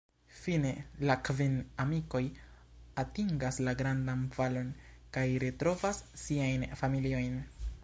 Fine la kvin amikoj atingas la "Grandan Valon" kaj retrovas siajn familiojn.